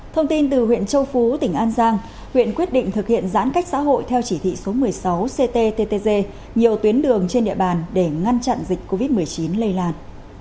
thông tin từ huyện châu phú tỉnh an giang huyện quyết định thực hiện giãn cách xã hội theo chỉ thị số một mươi sáu cttg nhiều tuyến đường trên địa bàn để ngăn chặn dịch covid một mươi chín lây lan